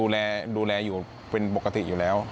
ดูแลอยู่เป็นปกติอยู่แล้ว